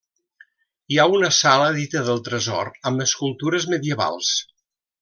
Hi ha una sala dita del tresor amb escultures medievals.